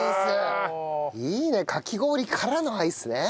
いいねかき氷からのアイスね。